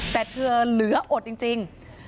แต่เธอเหลืออดจริง